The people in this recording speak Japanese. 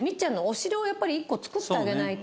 やっぱり１個つくってあげないと。